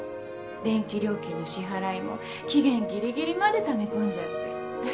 電気料金の支払いも期限ぎりぎりまでため込んじゃって。